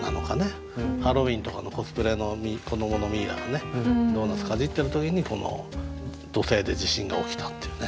ハロウィーンとかのコスプレの子どものミイラがドーナツかじってる時に土星で地震が起きたっていうね